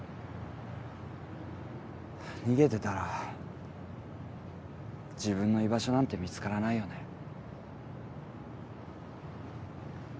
逃げてたら自分の居場所なんて見つからないよね。